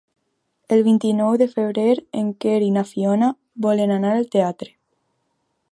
El vint-i-nou de febrer en Quer i na Fiona volen anar al teatre.